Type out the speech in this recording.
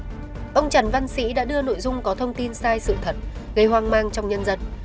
trước đó ông trần văn sĩ đã đưa nội dung có thông tin sai sự thật gây hoang mang trong nhân dân